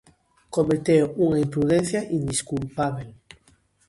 Cometeu unha imprudencia indesculpábel.